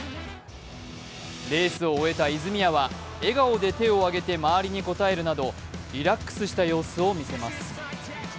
レースを終えた泉谷は笑顔で手を挙げて周りに応えるなどりラックした様子を見せます。